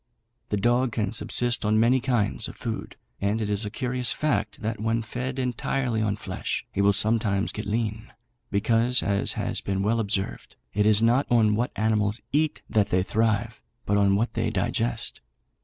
The dog can subsist on many kinds of food, and it is a curious fact, that when fed entirely on flesh he will sometimes get lean; because, as has been well observed, it is not on what animals eat that they thrive, but on what they digest.